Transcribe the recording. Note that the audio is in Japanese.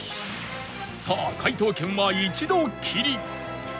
さあ解答権は一度きり！